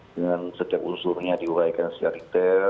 dengan setiap unsurnya diuraikan secara detail